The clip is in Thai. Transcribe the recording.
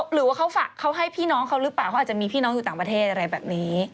หรือว่าเขาให้พี่น้องเขาหรือเปล่าเขาอาจจะมีพี่น้องอยู่ต่างประเทศอะไรแบบนี้